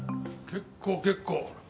結構結構！